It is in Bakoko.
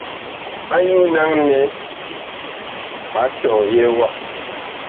Anyuu naŋ nɛ ɓa tɔyɛɛ ma.